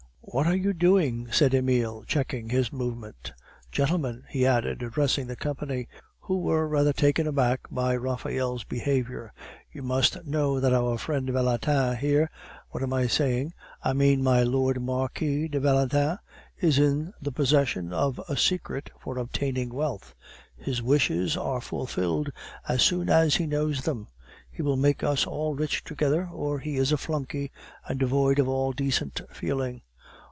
"What are you doing?" said Emile, checking his movement. "Gentlemen," he added, addressing the company, who were rather taken aback by Raphael's behavior, "you must know that our friend Valentin here what am I saying? I mean my Lord Marquis de Valentin is in the possession of a secret for obtaining wealth. His wishes are fulfilled as soon as he knows them. He will make us all rich together, or he is a flunkey, and devoid of all decent feeling."